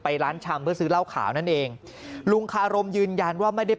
ร้านชำเพื่อซื้อเหล้าขาวนั่นเองลุงคารมยืนยันว่าไม่ได้